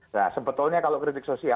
nah sebetulnya kalau kritik sosial